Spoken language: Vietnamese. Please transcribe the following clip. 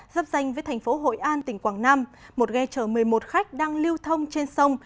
dấp danh với thành phố hội an tỉnh quảng nam một ghe chở một mươi một khách đang lưu thông trên sông